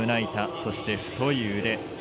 そして太い腕。